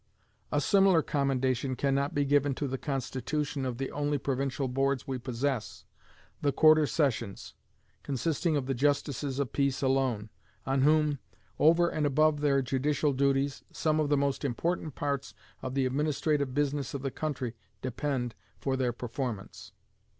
A similar commendation can not be given to the constitution of the only provincial boards we possess, the Quarter Sessions, consisting of the justices of peace alone, on whom, over and above their judicial duties, some of the most important parts of the administrative business of the country depend for their performance.